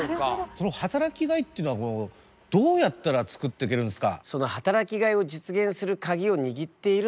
その働きがいっていうのはどうやったら作ってけるんすか？